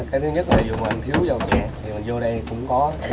cái thứ nhất là dù mình thiếu dầu nhẹ thì mình vô đây cũng có dầu